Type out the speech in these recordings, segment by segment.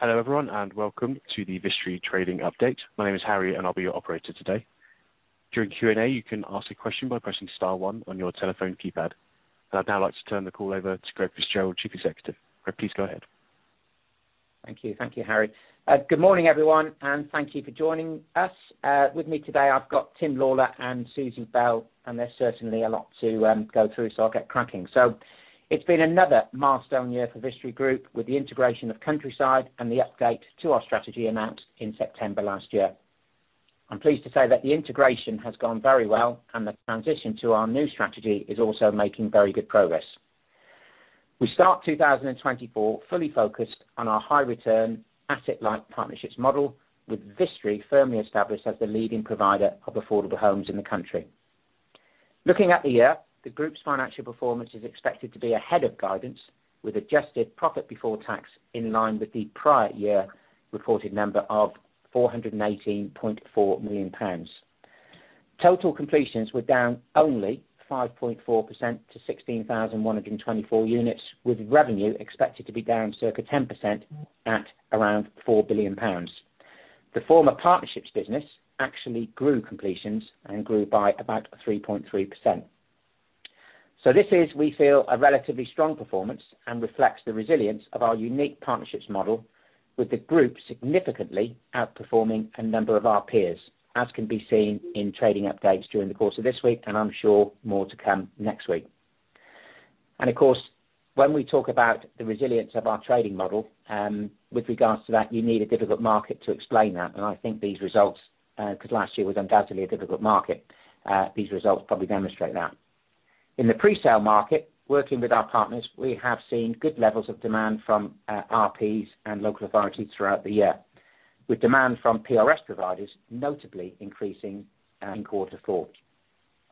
Hello, everyone, and welcome to the Vistry Trading Update. My name is Harry, and I'll be your operator today. During Q&A, you can ask a question by pressing star one on your telephone keypad. I'd now like to turn the call over to Greg Fitzgerald, Chief Executive. Greg, please go ahead. Thank you. Thank you, Harry. Good morning, everyone, and thank you for joining us. With me today, I've got Tim Lawlor and Susan Bell, and there's certainly a lot to go through, so I'll get cracking. So it's been another milestone year for Vistry Group with the integration of Countryside and the update to our strategy announced in September last year. I'm pleased to say that the integration has gone very well, and the transition to our new strategy is also making very good progress. We start 2024 fully focused on our high return asset-light partnerships model, with Vistry firmly established as the leading provider of affordable homes in the country. Looking at the year, the group's financial performance is expected to be ahead of guidance, with adjusted profit before tax in line with the prior year reported number of 418.4 million pounds. Total completions were down only 5.4% to 16,124 units, with revenue expected to be down circa 10% at around 4 billion pounds. The former partnerships business actually grew completions and grew by about 3.3%. So this is, we feel, a relatively strong performance and reflects the resilience of our unique partnerships model, with the group significantly outperforming a number of our peers, as can be seen in trading updates during the course of this week, and I'm sure more to come next week. Of course, when we talk about the resilience of our trading model, with regards to that, you need a difficult market to explain that. I think these results, 'cause last year was undoubtedly a difficult market, these results probably demonstrate that. In the presale market, working with our partners, we have seen good levels of demand from RPs and local authorities throughout the year, with demand from PRS providers notably increasing in quarter four.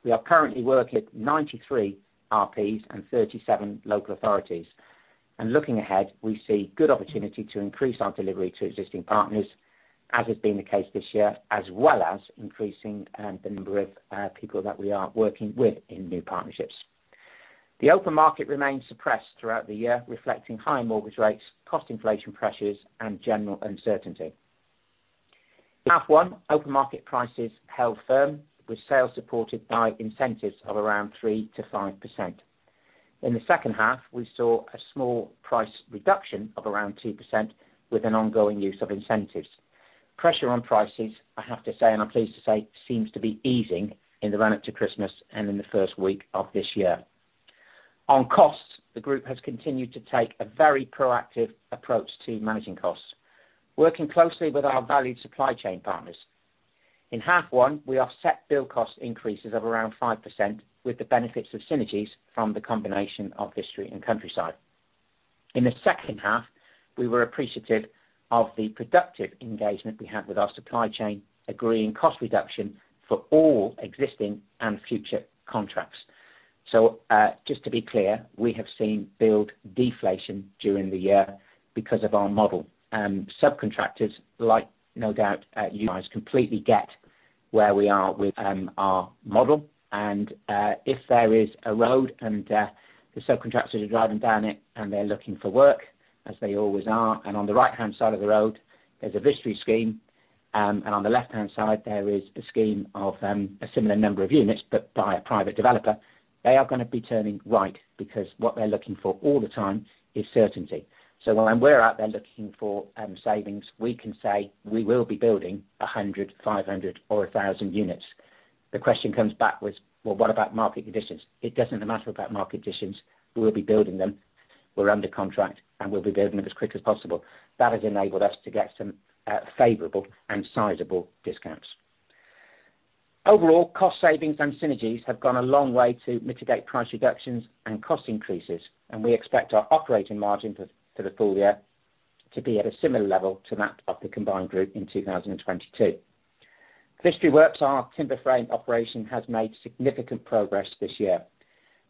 We are currently working with 93 RPs and 37 local authorities. Looking ahead, we see good opportunity to increase our delivery to existing partners, as has been the case this year, as well as increasing the number of people that we are working with in new partnerships. The open market remains suppressed throughout the year, reflecting high mortgage rates, cost inflation pressures, and general uncertainty. Half one, open market prices held firm, with sales supported by incentives of around 3%-5%. In the second half, we saw a small price reduction of around 2% with an ongoing use of incentives. Pressure on prices, I have to say, and I'm pleased to say, seems to be easing in the run-up to Christmas and in the first week of this year. On costs, the group has continued to take a very proactive approach to managing costs, working closely with our valued supply chain partners. In half one, we are set build cost increases of around 5%, with the benefits of synergies from the combination of Vistry and Countryside. In the second half, we were appreciative of the productive engagement we had with our supply chain, agreeing cost reduction for all existing and future contracts. So, just to be clear, we have seen build deflation during the year because of our model. Subcontractors, like no doubt, you guys completely get where we are with, our model, and, if there is a road and, the subcontractors are driving down it and they're looking for work, as they always are, and on the right-hand side of the road, there's a Vistry scheme, and on the left-hand side, there is a scheme of, a similar number of units, but by a private developer, they are gonna be turning right, because what they're looking for all the time is certainty. So when we're out there looking for, savings, we can say, "We will be building 100, 500, or 1,000 units." The question comes back with, "Well, what about market conditions?" It doesn't matter about market conditions. We'll be building them. We're under contract, and we'll be building them as quick as possible. That has enabled us to get some favorable and sizable discounts. Overall, cost savings and synergies have gone a long way to mitigate price reductions and cost increases, and we expect our operating margin for the full year to be at a similar level to that of the combined group in 2022. Vistry Works, our timber frame operation, has made significant progress this year.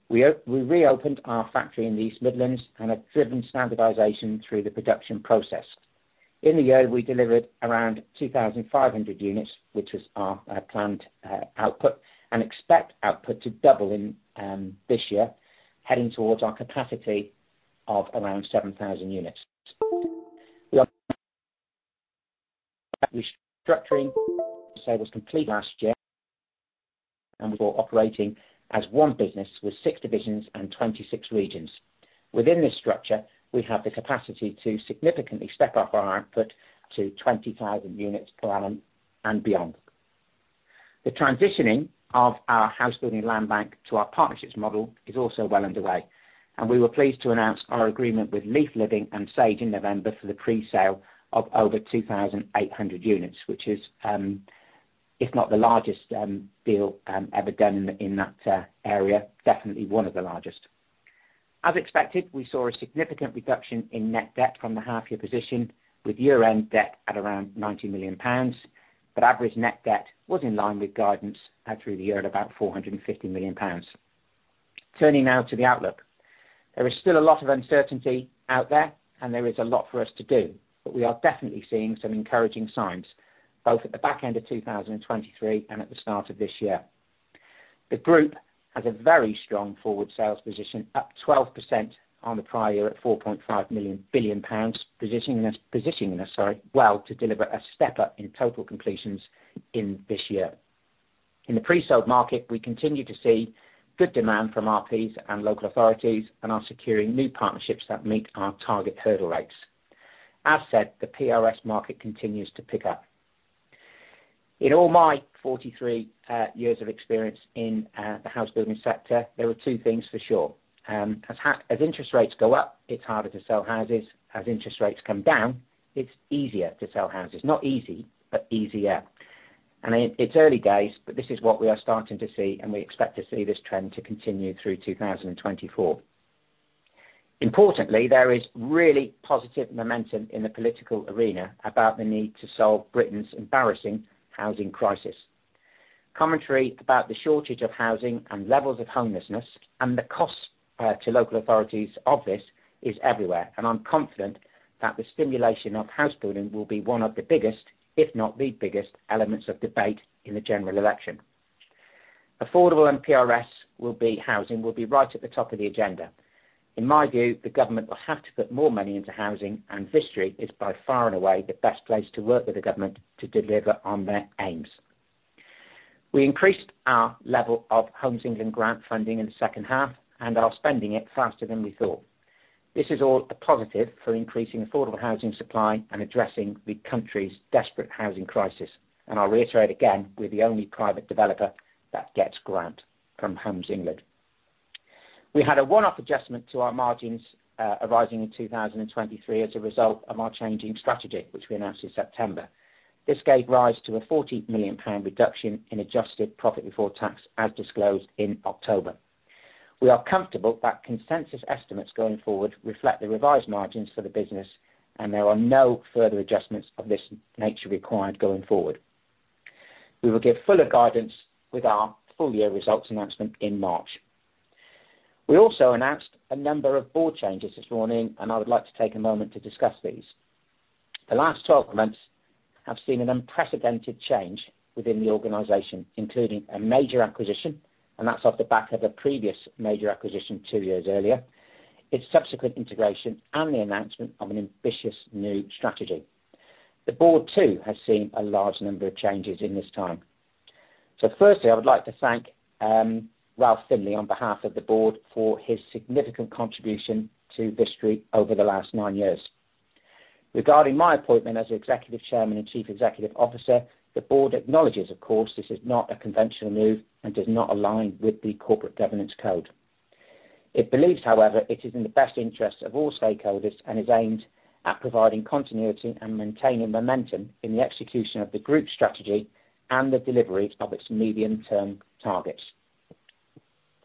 We reopened our factory in the East Midlands and have driven standardization through the production process. In the year, we delivered around 2,500 units, which was our planned output, and expect output to double in this year, heading towards our capacity of around 7,000 units. The restructuring was complete last year, and we were operating as one business with six divisions and 26 regions. Within this structure, we have the capacity to significantly step up our output to 20,000 units per annum and beyond. The transitioning of our housebuilding land bank to our partnerships model is also well underway, and we were pleased to announce our agreement with Leaf Living and Sage in November for the presale of over 2,800 units, which is, if not the largest deal ever done in that area, definitely one of the largest. As expected, we saw a significant reduction in net debt from the half-year position, with year-end debt at around 90 million pounds, but average net debt was in line with guidance at through the year at about 450 million pounds. Turning now to the outlook. There is still a lot of uncertainty out there, and there is a lot for us to do, but we are definitely seeing some encouraging signs, both at the back end of 2023 and at the start of this year. The group has a very strong forward sales position, up 12% on the prior year at 4.5 billion pounds, positioning us, positioning us, sorry, well, to deliver a step up in total completions in this year. In the pre-sold market, we continue to see good demand from RPs and local authorities, and are securing new partnerships that meet our target hurdle rates. As said, the PRS market continues to pick up. In all my 43 years of experience in the housebuilding sector, there are two things for sure. As interest rates go up, it's harder to sell houses. As interest rates come down, it's easier to sell houses. Not easy, but easier. And it, it's early days, but this is what we are starting to see, and we expect to see this trend to continue through 2024. Importantly, there is really positive momentum in the political arena about the need to solve Britain's embarrassing housing crisis. Commentary about the shortage of housing and levels of homelessness, and the costs to local authorities of this, is everywhere, and I'm confident that the stimulation of housebuilding will be one of the biggest, if not the biggest, elements of debate in the general election. Affordable and PRS will be- housing, will be right at the top of the agenda. In my view, the government will have to put more money into housing, and Vistry is by far and away the best place to work with the government to deliver on their aims. We increased our level of Homes England grant funding in the second half, and are spending it faster than we thought. This is all a positive for increasing affordable housing supply and addressing the country's desperate housing crisis, and I'll reiterate again, we're the only private developer that gets grant from Homes England. We had a one-off adjustment to our margins, arising in 2023 as a result of our changing strategy, which we announced in September. This gave rise to a GBP 40 million reduction in adjusted profit before tax, as disclosed in October. We are comfortable that consensus estimates going forward reflect the revised margins for the business, and there are no further adjustments of this nature required going forward. We will give fuller guidance with our full year results announcement in March. We also announced a number of board changes this morning, and I would like to take a moment to discuss these. The last 12 months have seen an unprecedented change within the organization, including a major acquisition, and that's off the back of a previous major acquisition two years earlier, its subsequent integration, and the announcement of an ambitious new strategy. The board, too, has seen a large number of changes in this time. So firstly, I would like to thank Ralph Findlay on behalf of the board for his significant contribution to Vistry over the last nine years. Regarding my appointment as Executive Chairman and Chief Executive Officer, the board acknowledges, of course, this is not a conventional move and does not align with the corporate governance code. It believes, however, it is in the best interest of all stakeholders and is aimed at providing continuity and maintaining momentum in the execution of the group's strategy and the delivery of its medium-term targets.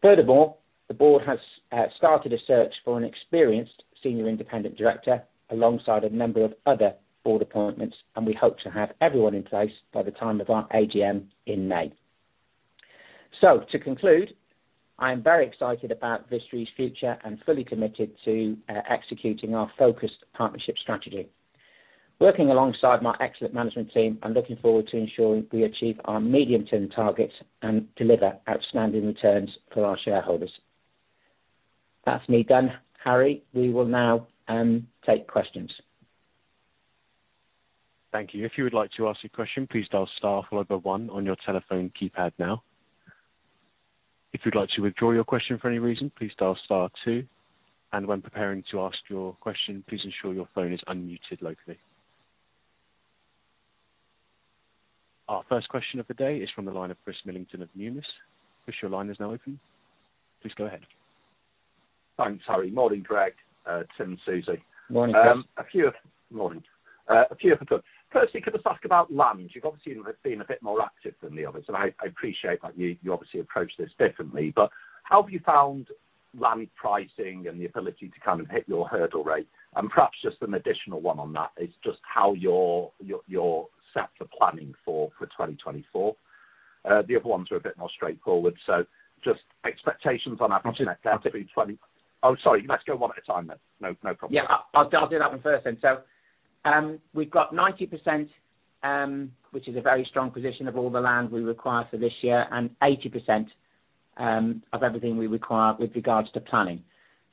Furthermore, the board has started a search for an experienced senior independent director alongside a number of other board appointments, and we hope to have everyone in place by the time of our AGM in May. So, to conclude, I am very excited about Vistry's future and fully committed to executing our focused partnership strategy. Working alongside my excellent management team, I'm looking forward to ensuring we achieve our medium-term targets and deliver outstanding returns for our shareholders. That's me done. Harry, we will now take questions. Thank you. If you would like to ask a question, please dial star followed by one on your telephone keypad now. If you'd like to withdraw your question for any reason, please dial star two, and when preparing to ask your question, please ensure your phone is unmuted locally. Our first question of the day is from the line of Chris Sherwin of Numis. Chris, your line is now open. Please go ahead. Thanks, Harry. Morning, Greg, Tim, and Susie. Morning, Chris. Morning. A few of them. Firstly, can I ask about land? You've obviously been a bit more active than the others, and I appreciate that you obviously approach this differently, but how have you found land pricing and the ability to kind of hit your hurdle rate? And perhaps just an additional one on that is just how you're set for planning for 2024. The other ones are a bit more straightforward, so just expectations on that- I can take that. Oh, sorry, let's go one at a time then. No, no problem. Yeah, I'll do that one first then. So, we've got 90%, which is a very strong position of all the land we require for this year, and 80% of everything we require with regards to planning.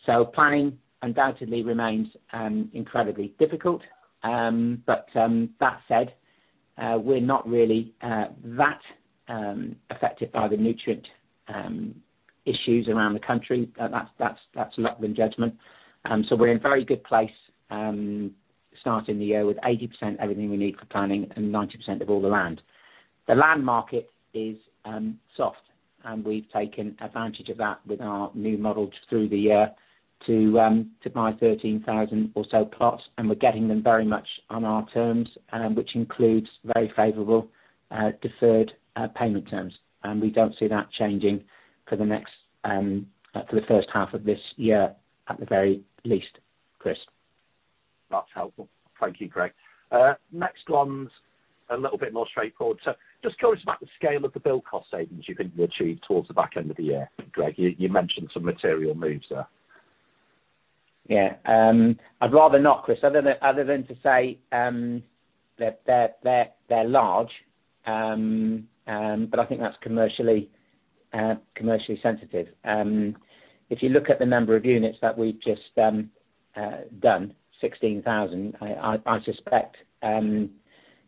So planning undoubtedly remains incredibly difficult. But that said, we're not really that affected by the nutrient issues around the country. That's luck and judgment. So we're in a very good place, starting the year with 80% everything we need for planning and 90% of all the land. The land market is soft, and we've taken advantage of that with our new model through the year to buy 13,000 or so plots, and we're getting them very much on our terms, which includes very favorable deferred payment terms. And we don't see that changing for the first half of this year, at the very least, Chris. That's helpful. Thank you, Greg. Next one's a little bit more straightforward. So just curious about the scale of the build cost savings you think you'll achieve towards the back end of the year, Greg. You mentioned some material moves there. ... Yeah, I'd rather not, Chris, other than to say that they're large. But I think that's commercially sensitive. If you look at the number of units that we've just done, 16,000, I suspect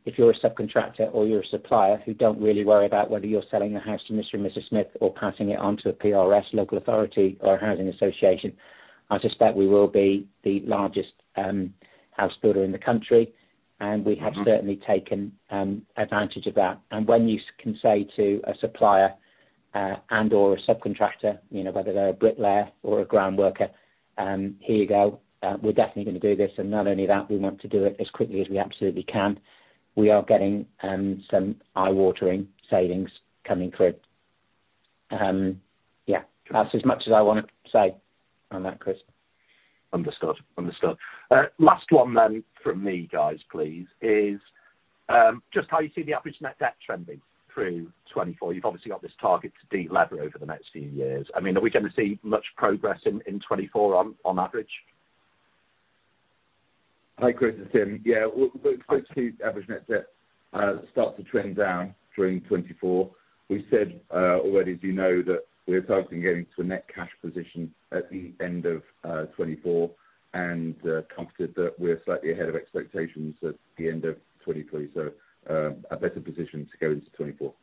if you're a subcontractor or you're a supplier who don't really worry about whether you're selling a house to Mr. or Mrs. Smith or passing it on to a PRS, local authority or a housing association, I suspect we will be the largest house builder in the country, and we have certainly taken advantage of that. When you can say to a supplier, and/or a subcontractor, you know, whether they're a bricklayer or a groundworker, "Here you go, we're definitely gonna do this, and not only that, we want to do it as quickly as we absolutely can," we are getting some eye-watering savings coming through. Yeah, that's as much as I wanna say on that, Chris. Understood. Understood. Last one then from me, guys, please, is just how you see the average net debt trending through 2024? You've obviously got this target to delever over the next few years. I mean, are we gonna see much progress in 2024 on average? Hi, Chris, it's Tim. Yeah, we expect to see average net debt start to trend down during 2024. We said already as you know, that we're targeting getting to a net cash position at the end of 2024, and confident that we're slightly ahead of expectations at the end of 2023, so a better position to go into 2024.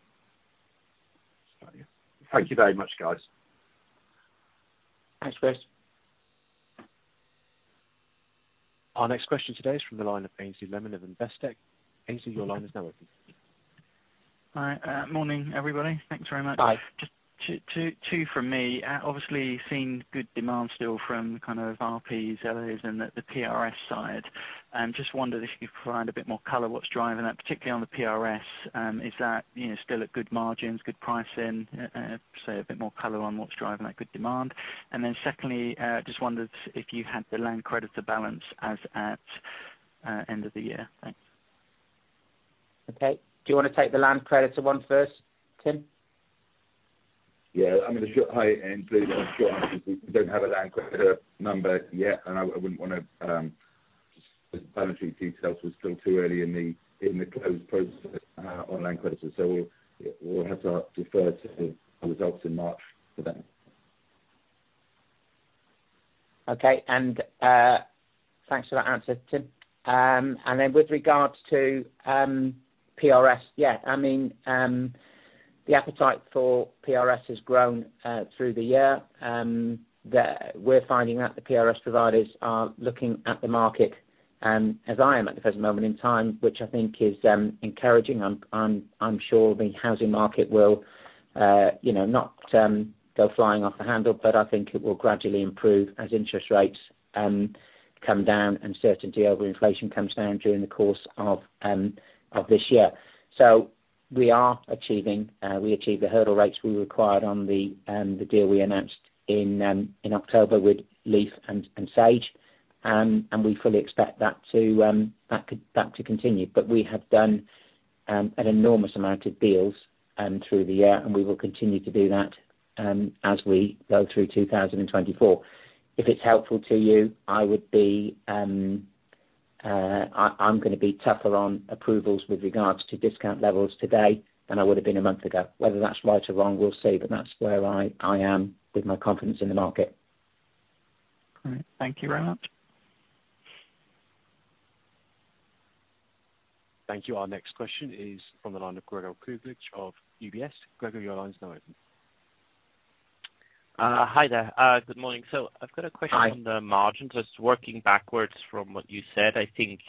Thank you very much, guys. Thanks, Chris. Our next question today is from the line of Ainsley Sherwin of Investec. Ainsley, your line is now open. Hi, morning, everybody. Thanks very much. Hi. Just two from me. Obviously seeing good demand still from kind of RPs, LAs, and the PRS side. Just wondered if you could provide a bit more color what's driving that, particularly on the PRS. Is that, you know, still at good margins, good pricing? So a bit more color on what's driving that good demand. And then secondly, just wondered if you had the land creditor balance as at end of the year. Thanks. Okay. Do you wanna take the land creditor one first, Tim? Yeah, hi, Ainsley. We don't have a land creditor number yet, and I wouldn't wanna just balance sheet details, it's still too early in the close process on land creditors, so we'll have to defer to the results in March for that. Okay, and, thanks for that answer, Tim. And then with regards to PRS, yeah, I mean, the appetite for PRS has grown through the year. We're finding that the PRS providers are looking at the market as I am at the present moment in time, which I think is encouraging. I'm sure the housing market will, you know, not go flying off the handle, but I think it will gradually improve as interest rates come down and certainty over inflation comes down during the course of this year. So we are achieving, we achieved the hurdle rates we required on the deal we announced in October with Leaf and Sage. And we fully expect that to continue, but we have done an enormous amount of deals through the year, and we will continue to do that as we go through 2024. If it's helpful to you, I'm gonna be tougher on approvals with regards to discount levels today than I would have been a month ago. Whether that's right or wrong, we'll see, but that's where I am with my confidence in the market. Great. Thank you very much. Thank you. Our next question is from the line of Gregor Kuglitsch of UBS. Gregor, your line is now open. Hi there. Good morning. So I've got a question- Hi... on the margins. Just working backwards from what you said, I think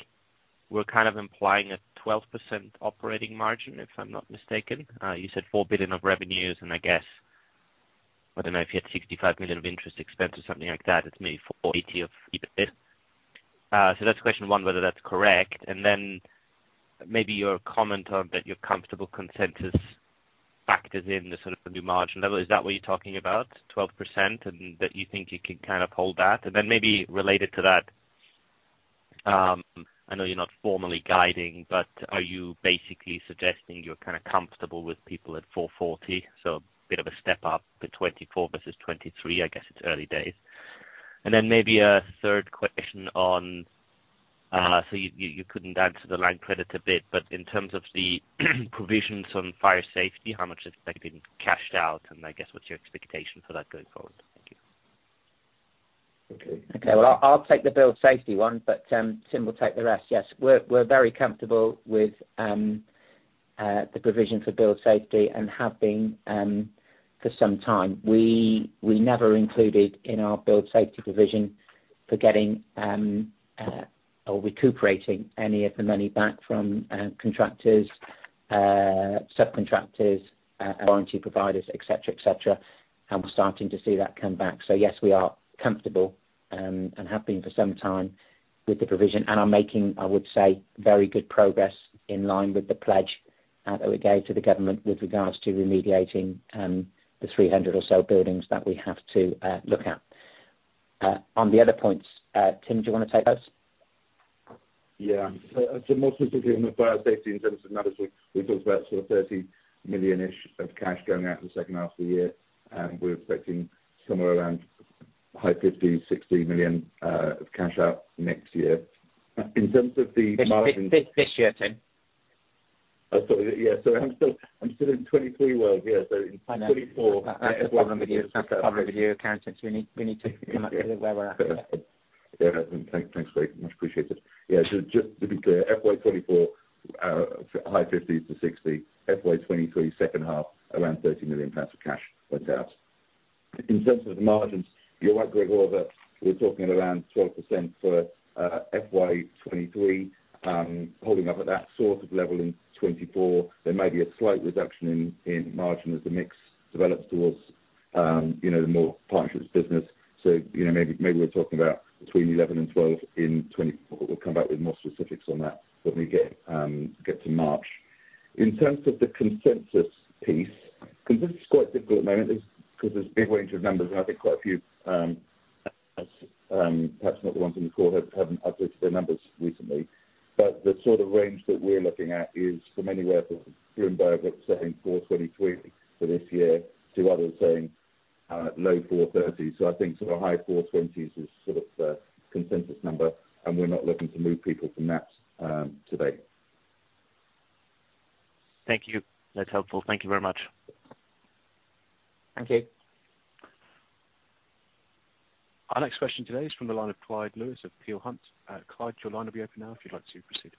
we're kind of implying a 12% operating margin, if I'm not mistaken. You said 4 billion of revenues, and I guess, I don't know, if you had 65 million of interest expense or something like that, it's maybe 480 million of EBIT. So that's question one, whether that's correct. And then maybe your comment on that you're comfortable consensus factors in the sort of the new margin level. Is that what you're talking about, 12%, and that you think you can kind of hold that? And then maybe related to that, I know you're not formally guiding, but are you basically suggesting you're kinda comfortable with people at 440 million? So a bit of a step up for 2024 versus 2023. I guess it's early days. And then maybe a third question on, so you couldn't answer the land creditor bit, but in terms of the provisions on fire safety, how much is expected cashed out? And I guess what's your expectation for that going forward? Thank you. Okay. Okay, well, I'll take the build safety one, but Tim will take the rest. Yes, we're very comfortable with the provision for build safety and have been for some time. We never included in our build safety provision for getting or recuperating any of the money back from contractors, subcontractors, warranty providers, et cetera, et cetera, and we're starting to see that come back. So yes, we are comfortable and have been for some time with the provision and are making, I would say, very good progress in line with the pledge that we gave to the government with regards to remediating the 300 or so buildings that we have to look at. On the other points, Tim, do you wanna take those? ... Yeah. So, so more specifically on the build safety in terms of numbers, we, we talked about sort of 30 million-ish of cash going out in the second half of the year, and we're expecting somewhere around high 50-60 million GBP of cash out next year. In terms of the margin- This year, Tim. Oh, sorry. Yeah. So I'm still in 2023 world. Yeah, so- I know. '24. That's the problem with you, that's the problem with you accountants. We need, we need to come up with where we're at. Yeah, thanks, thanks very much. Appreciate it. Yeah, just, just to be clear, FY 2024, high 50s-60, FY 2023, second half, around 30 million pounds of cash went out. In terms of the margins, you're right, Greg, all of that, we're talking around 12% for FY 2023, holding up at that sort of level in 2024. There may be a slight reduction in margin as the mix develops towards, you know, the more partnerships business. So, you know, maybe, maybe we're talking about between 11% and 12% in 2024-- we'll come back with more specifics on that when we get to March. In terms of the consensus piece, consensus is quite difficult at the moment, because there's a big range of numbers, and I think quite a few, perhaps not the ones in the core, have, haven't updated their numbers recently. But the sort of range that we're looking at is from anywhere from Bloomberg that's saying 423 for this year, to others saying, low 430. So I think sort of high 420s is sort of the consensus number, and we're not looking to move people from that, today. Thank you. That's helpful. Thank you very much. Thank you. Our next question today is from the line of Clyde Lewis of Peel Hunt. Clyde, your line will be open now, if you'd like to proceed.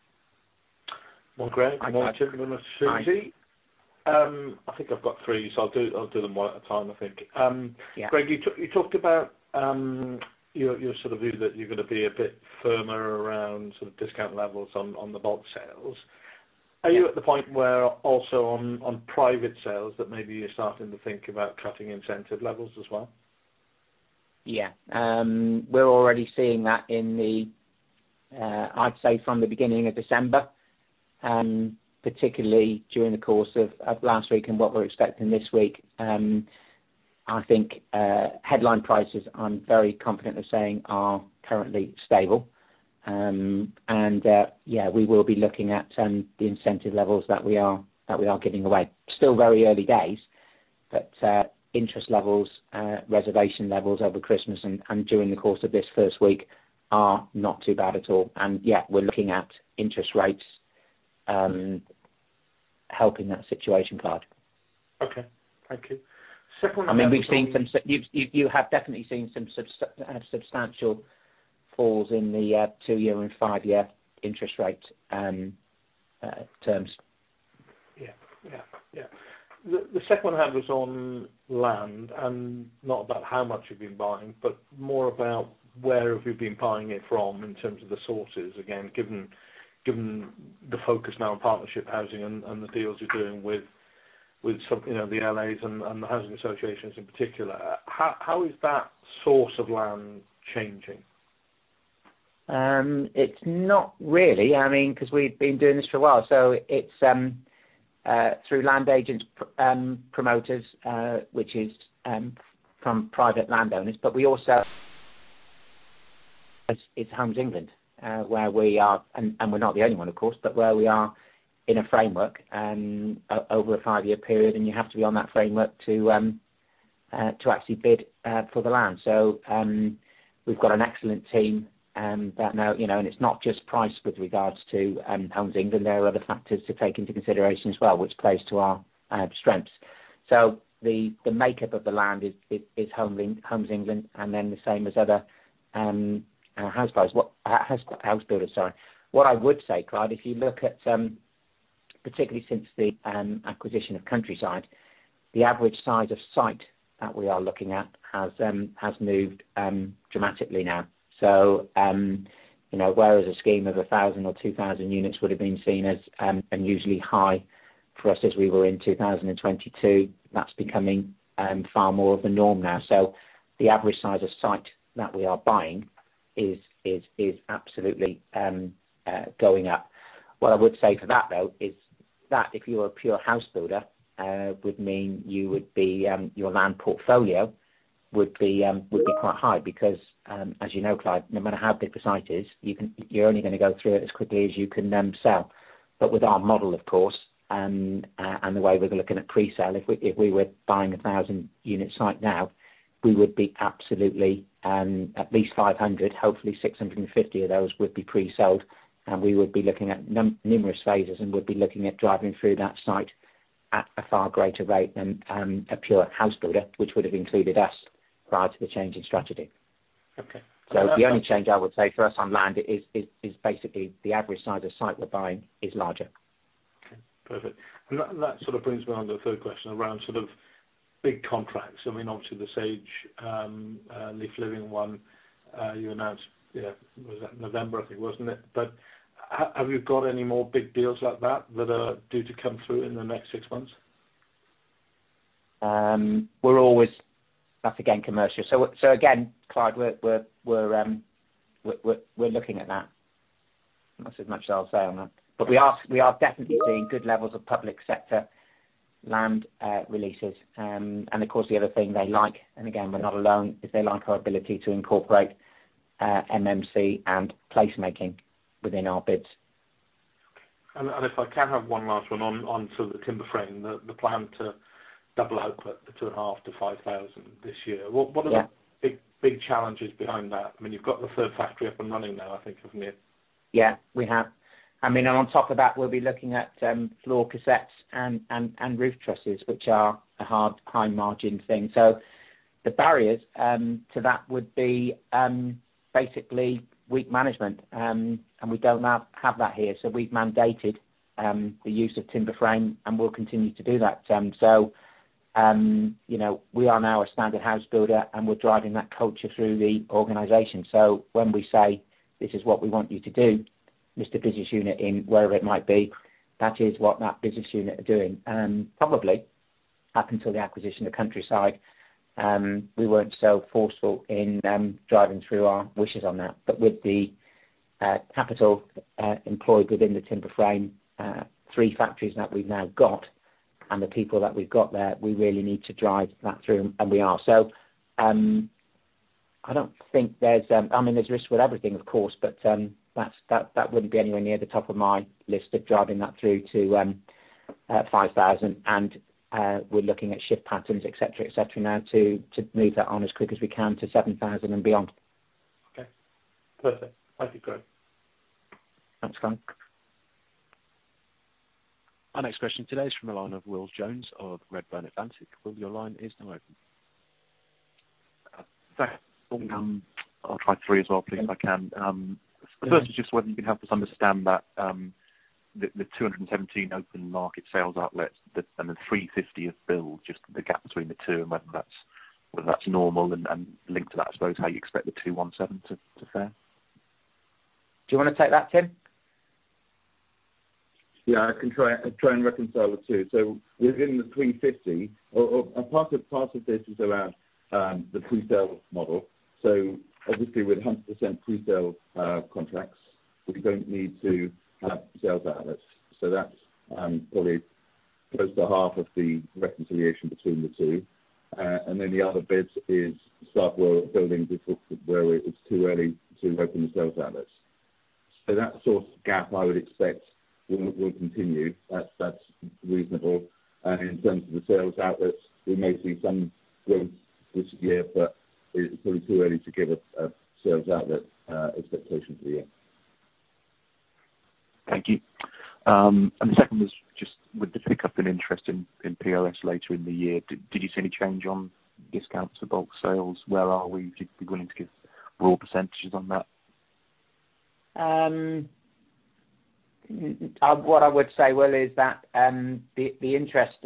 Well, Greg- Hi, Clyde. Good morning, everybody. I think I've got three, so I'll do them one at a time, I think. Yeah. Greg, you talked about your sort of view that you're gonna be a bit firmer around sort of discount levels on the bulk sales. Are you at the point where also on private sales, that maybe you're starting to think about cutting incentive levels as well? Yeah. We're already seeing that in the, I'd say from the beginning of December, particularly during the course of last week and what we're expecting this week. I think, headline prices, I'm very confident of saying, are currently stable. And, yeah, we will be looking at the incentive levels that we are giving away. Still very early days, but, interest levels, reservation levels over Christmas and during the course of this first week are not too bad at all. And yeah, we're looking at interest rates helping that situation, Clyde. Okay, thank you. Second- I mean, we've seen some, you have definitely seen some substantial falls in the two-year and five-year interest rate terms. Yeah. Yeah, yeah. The, the second one I had was on land, and not about how much you've been buying, but more about where have you been buying it from in terms of the sources? Again, given, given the focus now on partnership housing and, and the deals you're doing with, with some, you know, the LAs and, and the housing associations in particular. How, how is that source of land changing? It's not really, I mean, 'cause we've been doing this for a while, so it's through land agents, promoters, which is from private landowners. But we also it's Homes England, where we are and we're not the only one, of course, but where we are in a framework over a five-year period, and you have to be on that framework to actually bid for the land. So we've got an excellent team that now, you know, and it's not just price with regards to Homes England, there are other factors to take into consideration as well, which plays to our strengths. So the makeup of the land is Homes England, and then the same as other house buyers. House builders, sorry. What I would say, Clyde, if you look at, particularly since the, acquisition of Countryside, the average size of site that we are looking at has, has moved, dramatically now. So, you know, whereas a scheme of 1,000 or 2,000 units would have been seen as, unusually high for us as we were in 2022, that's becoming, far more of the norm now. So the average size of site that we are buying is, is, is absolutely, going up. What I would say to that, though, is that if you're a pure house builder, would mean you would be, your land portfolio would be, would be quite high. Because, as you know, Clyde, no matter how big the site is, you can—you're only gonna go through it as quickly as you can sell. But with our model, of course, and the way we're looking at pre-sale, if we were buying a 1,000-unit site now, we would be absolutely at least 500, hopefully 650 of those would be pre-sold. And we would be looking at numerous phases, and we'd be looking at driving through that site at a far greater rate than a pure house builder, which would have included us prior to the change in strategy. Okay. So the only change I would say for us on land is basically the average size of site we're buying is larger. Okay, perfect. And that, that sort of brings me on to the third question around sort of big contracts. I mean, obviously the Sage, Leaf Living one, you announced, yeah, was that November, I think, wasn't it? But have you got any more big deals like that, that are due to come through in the next six months? We're always, that's again, commercial. So again, Clyde, we're looking at that. That's as much as I'll say on that. But we are definitely seeing good levels of public sector land releases. And of course, the other thing they like, and again, we're not alone, is they like our ability to incorporate MMC and placemaking within our bids. If I can have one last one on sort of the Timber Frame, the plan to double output, 2.5-5,000 this year. Yeah. What, what are the big, big challenges behind that? I mean, you've got the third factory up and running now, I think, haven't you? Yeah, we have. I mean, and on top of that, we'll be looking at floor cassettes and roof trusses, which are a hard, high margin thing. So the barriers to that would be basically weak management. And we don't have that here, so we've mandated the use of timber frame, and we'll continue to do that. So, you know, we are now a standard house builder, and we're driving that culture through the organization. So when we say, "This is what we want you to do," this business unit in wherever it might be, that is what that business unit are doing. Probably up until the acquisition of Countryside, we weren't so forceful in driving through our wishes on that. But with the capital employed within the Timber Frame three factories that we've now got, and the people that we've got there, we really need to drive that through, and we are. So, I don't think there's... I mean, there's risks with everything, of course, but, that wouldn't be anywhere near the top of my list of driving that through to 5,000. And, we're looking at shift patterns, et cetera, et cetera, now to move that on as quick as we can to 7,000 and beyond. Okay. Perfect. Thank you, Greg. Thanks, Frank. Our next question today is from the line of Will Jones of Redburn Atlantic. Will, your line is now open. Thanks, I'll try three as well, please, if I can. Yeah. The first is just whether you can help us understand that, the 217 open market sales outlets that, and the 350 of build, just the gap between the two and whether that's normal, and linked to that, I suppose, how you expect the 217 to fare? Do you wanna take that, Tim? Yeah, I can try and reconcile the two. So within the 350, a part of this is around the presale model. So obviously, with 100% presale contracts, we don't need to have sales outlets. So that's probably close to half of the reconciliation between the two. And then the other bit is start building before where it's too early to open the sales outlets. So that sort of gap, I would expect, will continue. That's reasonable. And in terms of the sales outlets, we may see some growth this year, but it's probably too early to give a sales outlet expectation for the year. Thank you. And the second was just with the pickup in interest in PRS later in the year, did you see any change on discounts to bulk sales? Where are we, if you'd be willing to give raw percentages on that? What I would say, Will, is that the interest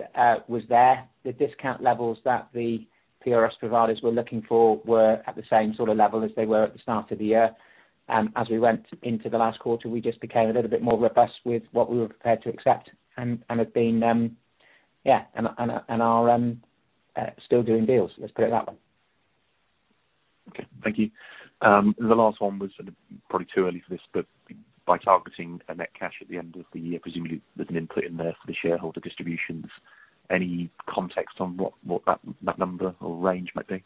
was there. The discount levels that the PRS providers were looking for were at the same sort of level as they were at the start of the year. As we went into the last quarter, we just became a little bit more robust with what we were prepared to accept, and have been, yeah, and are still doing deals. Let's put it that way. Okay, thank you. The last one was sort of probably too early for this, but by targeting a net cash at the end of the year, presumably there's an input in there for the shareholder distributions. Any context on what, what that, that number or range might be?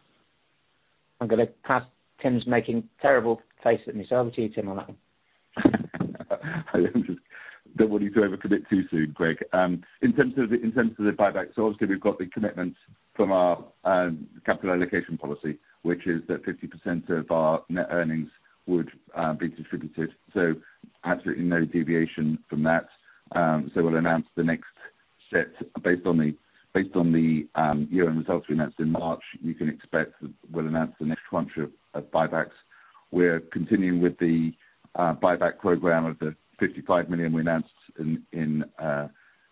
I'm gonna pass-- Tim's making terrible faces at me, so I'll look to you, Tim, on that. I don't want you to over commit too soon, Greg. In terms of the buyback, so obviously, we've got the commitment from our capital allocation policy, which is that 50% of our net earnings would be distributed, so absolutely no deviation from that. So we'll announce the next set based on the year-end results we announced in March, you can expect we'll announce the next tranche of buybacks. We're continuing with the buyback program of the 55 million we announced in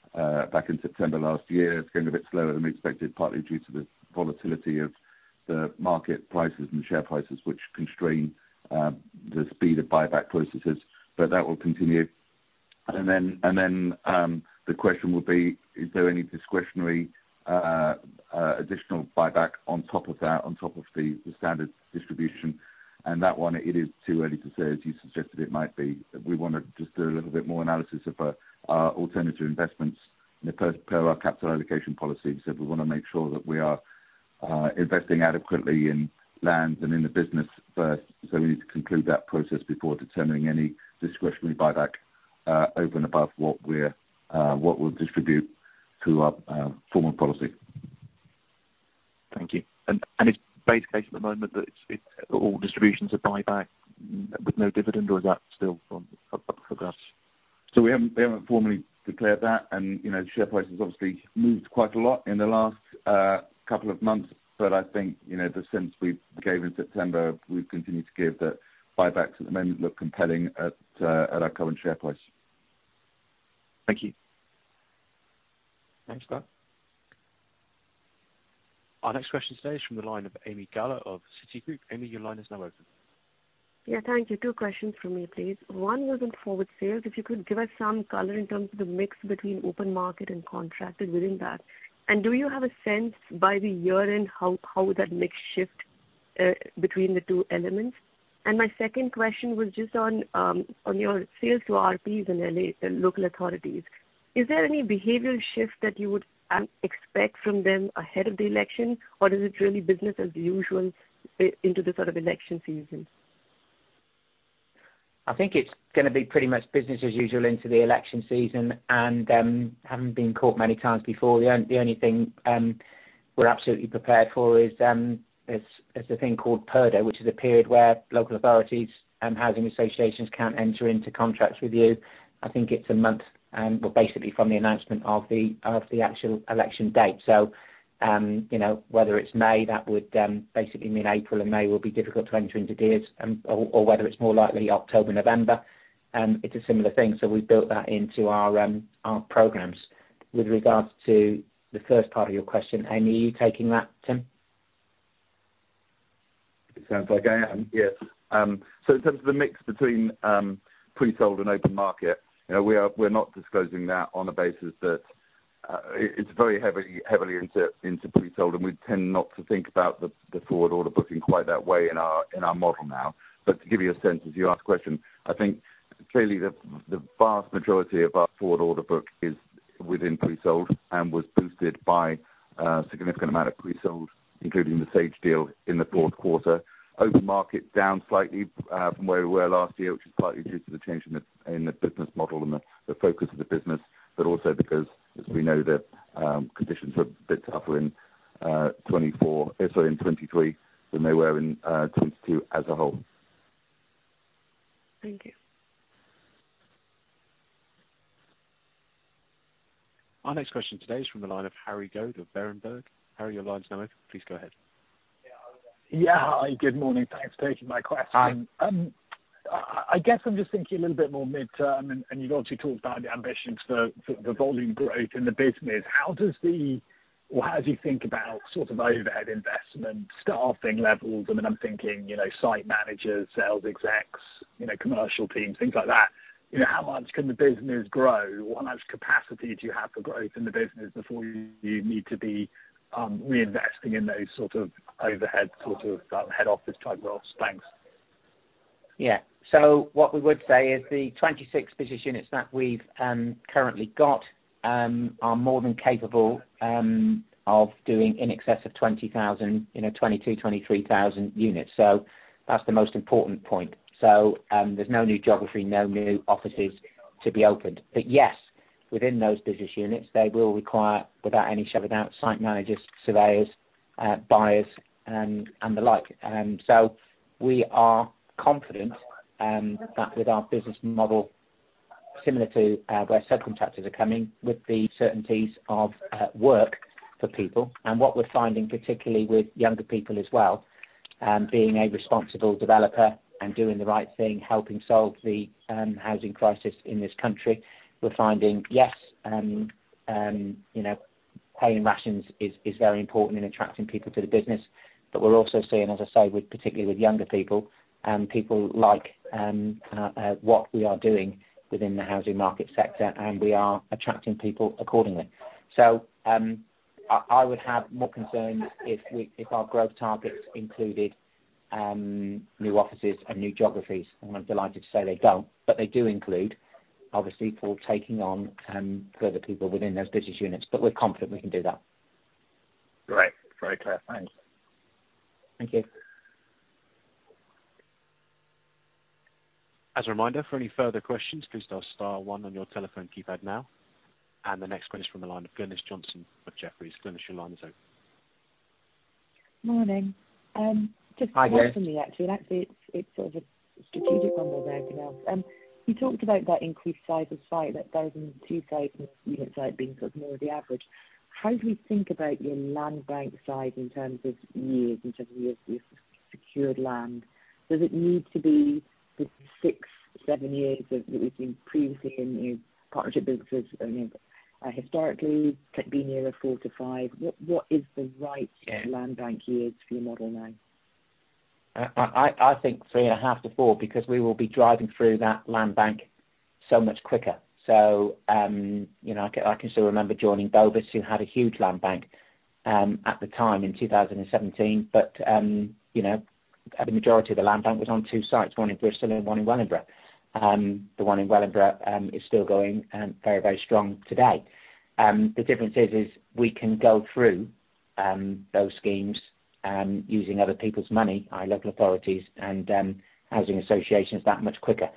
back in September last year. It's going a bit slower than we expected, partly due to the volatility of the market prices and share prices, which constrain the speed of buyback processes. But that will continue. Then, the question will be: Is there any discretionary additional buyback on top of that, on top of the standard distribution? And that one, it is too early to say, as you suggested it might be. We want to just do a little bit more analysis of our alternative investments per our capital allocation policy. So we want to make sure that we are investing adequately in lands and in the business first. So we need to conclude that process before determining any discretionary buyback over and above what we're, what we'll distribute through our formal policy. Thank you. And it's base case at the moment that it's all distributions are buyback with no dividend, or is that still up for grabs? So we haven't, we haven't formally declared that, and, you know, share price has obviously moved quite a lot in the last couple of months. But I think, you know, the sense we gave in September, we've continued to give, that buybacks at the moment look compelling at, at our current share price. Thank you. Thanks, Will. Our next question today is from the line of Ami Galla of Citigroup. Amy, your line is now open. Yeah, thank you. Two questions from me, please. One was on forward sales. If you could give us some color in terms of the mix between open market and contracted within that. And do you have a sense, by the year-end, how would that mix shift?... between the two elements? And my second question was just on your sales to RPs and LA, the local authorities. Is there any behavioral shift that you would expect from them ahead of the election, or is it really business as usual into this sort of election season? I think it's gonna be pretty much business as usual into the election season, and, having been caught many times before, the only thing we're absolutely prepared for is a thing called Purdah, which is a period where local authorities and housing associations can't enter into contracts with you. I think it's a month, well, basically from the announcement of the actual election date. So, you know, whether it's May, that would basically mean April and May will be difficult to enter into deals, or whether it's more likely October, November, it's a similar thing, so we've built that into our programs. With regards to the first part of your question, Amy, are you taking that, Tim? It sounds like I am, yes. So in terms of the mix between pre-sold and open market, you know, we are—we're not disclosing that on a basis that it, it's very heavily, heavily into pre-sold, and we tend not to think about the forward order booking quite that way in our model now. But to give you a sense, as you asked the question, I think clearly the vast majority of our forward order book is within pre-sold and was boosted by a significant amount of pre-sold, including the Sage deal in the fourth quarter. Open market, down slightly from where we were last year, which is partly due to the change in the business model and the focus of the business, but also because, as we know, the conditions were a bit tougher in 2024, sorry, in 2023 than they were in 2022 as a whole. Thank you. Our next question today is from the line of Harry Goad, of Berenberg. Harry, your line's now open. Please go ahead. Yeah. Hi, good morning. Thanks for taking my question. Hi. I guess I'm just thinking a little bit more midterm, and you've obviously talked about the ambitions for the volume growth in the business. How does... or how do you think about sort of overhead investment, staffing levels? I mean, I'm thinking, you know, site managers, sales execs, you know, commercial teams, things like that. You know, how much can the business grow? How much capacity do you have for growth in the business before you need to be reinvesting in those sort of overhead, sort of, head office type roles? Thanks. Yeah. So what we would say is the 26 business units that we've currently got are more than capable of doing in excess of 20,000, you know, 22,000-23,000 units. So that's the most important point. So, there's no new geography, no new offices to be opened. But yes, within those business units, they will require, without any shadow of a doubt, site managers, surveyors, buyers, and the like. So we are confident that with our business model, similar to where subcontractors are coming, with the certainties of work for people, and what we're finding, particularly with younger people as well, being a responsible developer and doing the right thing, helping solve the housing crisis in this country, we're finding, yes, you know, pay and rations is very important in attracting people to the business. But we're also seeing, as I say, particularly with younger people, people like what we are doing within the housing market sector, and we are attracting people accordingly. I would have more concerns if our growth targets included new offices and new geographies, and I'm delighted to say they don't, but they do include, obviously, for taking on further people within those business units, but we're confident we can do that. Great. Very clear. Thanks. Thank you. As a reminder, for any further questions, please dial star one on your telephone keypad now. The next question is from the line of Glynis Johnson, of Jefferies. Glynis, your line is open. Morning. Hi, Glynis. Actually, it's, it's sort of a strategic one more than anything else. You talked about that increased size of site, that 1,000 and 2,000 unit site being sort of more of the average. How do we think about your land bank size in terms of years, in terms of years you've secured land? Does it need to be the six to seven years that we've seen previously in new partnership businesses? I mean, historically, it could be nearer four to five. What, what is the right- Yeah. Land bank years for your model now? I think 3.5-4, because we will be driving through that land bank so much quicker. So, you know, I can still remember joining Bovis, who had a huge land bank, at the time in 2017. But, you know, the majority of the land bank was on two sites, one in Bristol and one in Wellingborough. The one in Wellingborough is still going very, very strong today. The difference is we can go through those schemes using other people's money, our local authorities and housing associations, that much quicker.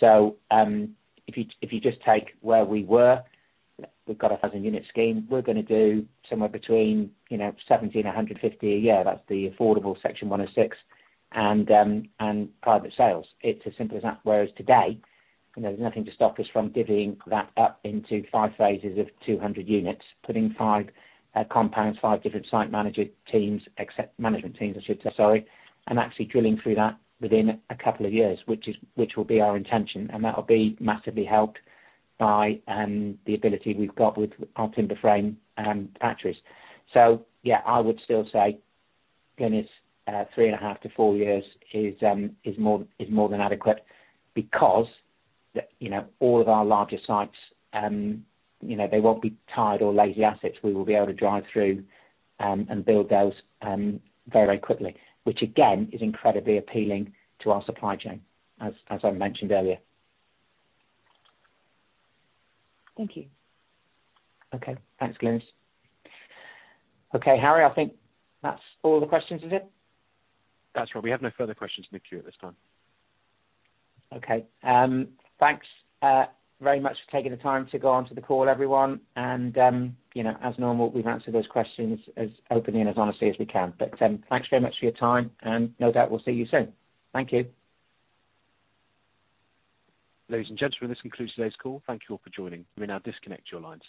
So, if you just take where we were, we've got a 1,000-unit scheme. We're gonna do somewhere between, you know, 70-150 a year. That's the affordable Section 106 and private sales. It's as simple as that. Whereas today, you know, there's nothing to stop us from divvying that up into five phases of 200 units, putting five compounds, five different site management teams, except management teams, I should say, sorry, and actually drilling through that within a couple of years, which will be our intention, and that will be massively helped by the ability we've got with our Timber Frame factories. So yeah, I would still say, Glynis, 3.5-four years is more than adequate because, you know, all of our larger sites, you know, they won't be tied or lazy assets. We will be able to drive through and build those very quickly, which again is incredibly appealing to our supply chain, as I mentioned earlier. Thank you. Okay. Thanks, Glynis. Okay, Harry, I think that's all the questions, is it? That's right. We have no further questions in the queue at this time. Okay. Thanks very much for taking the time to go on to the call, everyone. And, you know, as normal, we've answered those questions as openly and as honestly as we can. But, thanks very much for your time, and no doubt we'll see you soon. Thank you. Ladies and gentlemen, this concludes today's call. Thank you all for joining. You may now disconnect your lines.